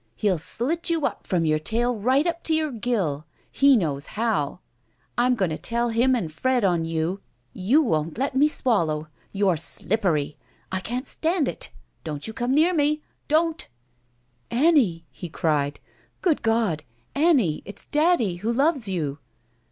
Hell slit you up from your tail right up to your gill. He knows how. I'm going to teU him and Fred on you. You won't let me 21$ GUILTY swallow. You're slippery. I can't stand it. Don't you come near me I Don't!" "Annie!" he cried. "Good God! Aimie, it's daddy who loves you!"